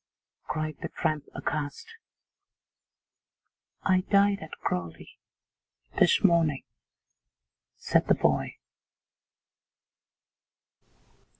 cried the tramp, aghast. 'I died at Crawley this morning,' said the boy.